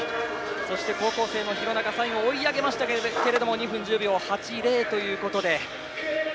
そこで高校生の弘中が最後追い上げましたが２分１０秒８０ということで。